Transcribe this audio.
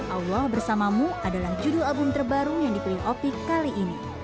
allah bersamamu adalah judul album terbaru yang dipilih opik kali ini